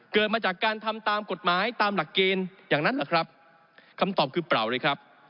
เกิดมาจากการทำตามกฎหมายตามหลักเกณฑ์อย่างนั้นเหรอครับคำตอบคือเปล่าเลยครับ